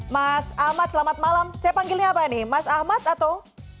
mas ahmad selamat malam saya panggilnya apa nih mas ahmad atau